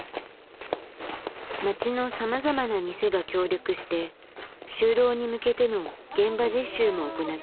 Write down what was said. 町のさまざまな店が協力して就労に向けての現場実習も行っている。